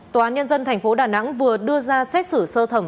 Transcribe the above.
tòa án nhân dân tp đà nẵng vừa đưa ra xét xử sơ thẩm